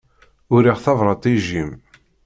Uriɣ tabrat i Jim.